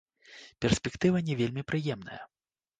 Перспектыва не вельмі прыемная.